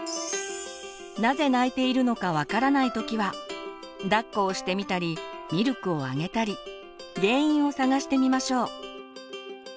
なぜ泣いているのか分からない時はだっこをしてみたりミルクをあげたり原因を探してみましょう。